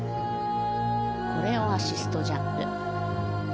コレオアシストジャンプ。